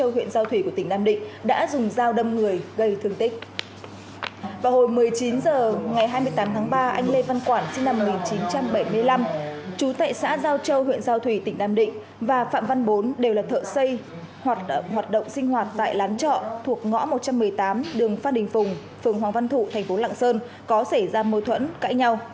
một mươi chín h ngày hai mươi tám tháng ba anh lê văn quản sinh năm một nghìn chín trăm bảy mươi năm chú tại xã giao châu huyện giao thủy tỉnh nam định và phạm văn bốn đều là thợ xây hoặc hoạt động sinh hoạt tại lán chọ thuộc ngõ một trăm một mươi tám đường phát đình phùng phường hoàng văn thụ thành phố lạng sơn có xảy ra mối thuẫn cãi nhau